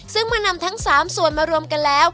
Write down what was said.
ซึ่งเมื่อนำทั้ง๓ส่วนมารวมกันแล้ว